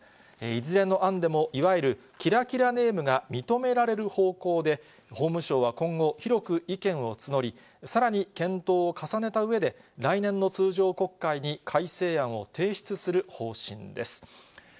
いずれの案でも、いわゆるキラキラネームが認められる方向で、法務省は今後、広く意見を募り、さらに検討を重ねたうえで、来年の通常国会に改正案を提出する方針です。